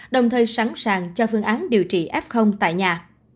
đồng thời sẵn sàng cho phương án điều trị f tại nhà